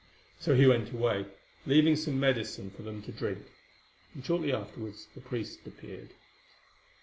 So he went away, leaving some medicine for them to drink, and shortly afterwards the priest appeared.